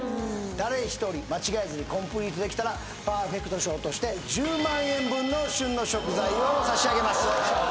誰一人間違えずにコンプリートできたらパーフェクト賞として１０万円分の旬の食材を差し上げます頑張ろう